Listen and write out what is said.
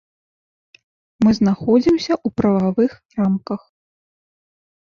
Мы знаходзімся ў прававых рамках.